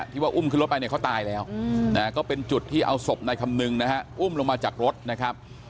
ว่าอุ้มขึ้นรถไปเนี่ยเขาตายแล้วก็เป็นจุดที่เอาศพนายคำนึงนะฮะอุ้มลงมาจากรถนะครับ